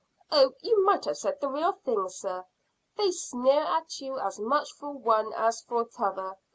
"Oh, you might have said the real thing, sir. They sneer at you as much for one as for t'other.